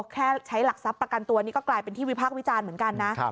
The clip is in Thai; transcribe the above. แค่ใช้หลักทรัพย์ประกันตัวนี่ก็กลายเป็นที่วิพากษ์วิจารณ์เหมือนกันนะ